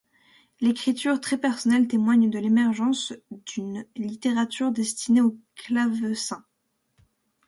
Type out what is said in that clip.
L'écriture, très personnelle témoigne de l’émergence d’une littérature destinée au clavecin.